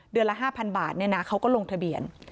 ละ๕๐๐บาทเขาก็ลงทะเบียน